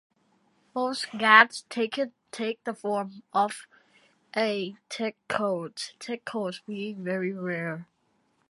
Most Gads take the form of A-Techodes, Techodes being very rare.